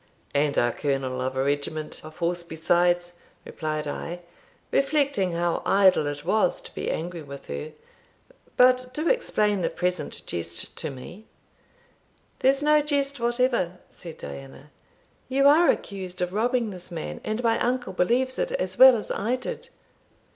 "And are colonel of a regiment of horse besides," replied I, reflecting how idle it was to be angry with her "But do explain the present jest to me." "There's no jest whatever," said Diana; "you are accused of robbing this man, and my uncle believes it as well as I did."